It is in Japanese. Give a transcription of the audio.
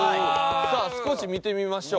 さあ少し見てみましょう。